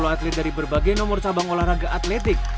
satu ratus enam puluh atlet dari berbagai nomor sabang olahraga atletik